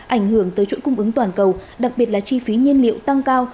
ảnh hưởng tới chuỗi cung ứng toàn cầu đặc biệt là chi phí nhiên liệu tăng cao